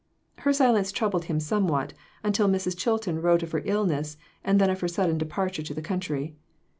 Her silence troubled him somewhat, until Mrs. Chilton wrote of her illness and then of her sudden departure to the country.